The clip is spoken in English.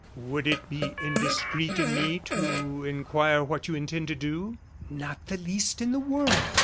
"Would it be indiscreet in me to inquire what you intend to do?" "Not the least in the world.